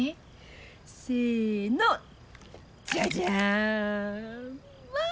せのじゃじゃーん！